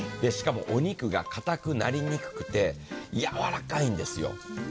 しかもお肉がかたくなりにくくて、やわらかいんですよ。